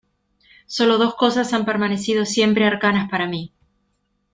sólo dos cosas han permanecido siempre arcanas para mí: